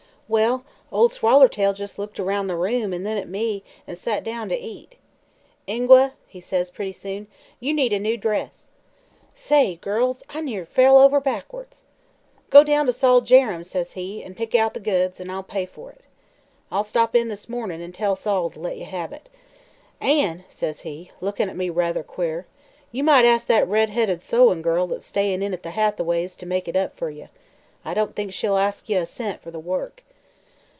"Well, Ol' Swallertail jes' looked aroun' the room an' then at me an' sot down to eat. 'Ingua,' he says pretty soon,' you need a new dress.' Say, girls, I near fell over backwards! 'Go down to Sol Jerrems,' says he, 'an' pick out the goods, an' I'll pay for it. I'll stop in this mornin' an' tell Sol to let ye have it. An',' says he, lookin' at me ruther queer, 'ye might ask that redheaded sewin' girl that's stay in' at the Hathaways' to make it up fer ye. I don't think she'll ask ye a cent fer the work.'